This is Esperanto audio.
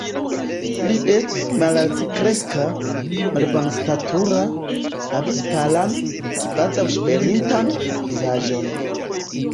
Li estis malaltkreska, malbonstatura, havis palan, kvazaŭ ŝvelintan, vizaĝon.